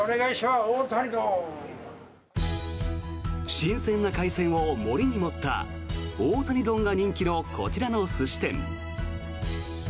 新鮮な海鮮を盛りに盛った大谷丼が人気のこちらの寿司店。